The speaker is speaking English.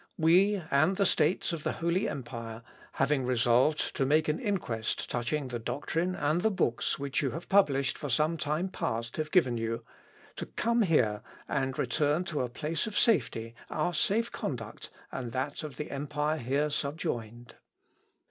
We, and the States of the Holy Empire, having resolved to make an inquest touching the doctrine and the books which you have published for some time past have given you, to come here and return to a place of safety, our safe conduct and that of the empire here subjoined.